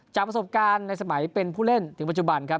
จากประสบการณ์ในสมัยเป็นผู้เล่นถึงปัจจุบันครับ